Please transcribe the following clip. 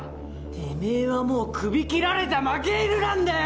てめえはもうクビ切られた負け犬なんだよ！